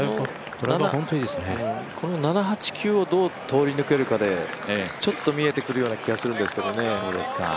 この７、８、９をどう通り抜けるかで、ちょっと見えてくる感じがするんですけどね。